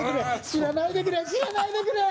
死なないでくれ！